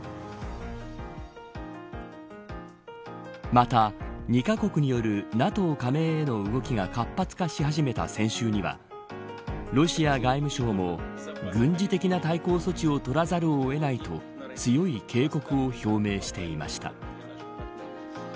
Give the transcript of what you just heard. また２カ国によるＮＡＴＯ加盟への動きが活発化し始めた先週にはロシア外務省も軍事的な対抗措置を取らざるをえないと強い警告を表明していました。